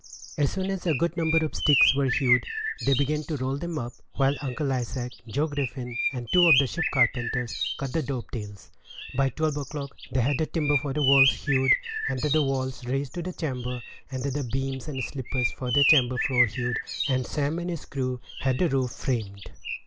As soon as a good number of sticks were hewed, they began to roll them up, while Uncle Isaac, Joe Griffin, and two of the ship carpenters, cut the dovetails. By twelve o'clock they had the timber for the walls hewed, and the walls raised to the chamber, and the beams and sleepers for the chamber floor hewed, and Sam and his crew had the roof framed.